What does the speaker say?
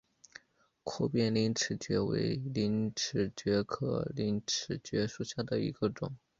阔边陵齿蕨为陵齿蕨科陵齿蕨属下的一个种。